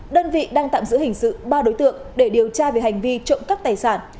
đơn vị đang tạm giữ hình sự ba đối tượng để điều tra về hành vi trộm cắp tài sản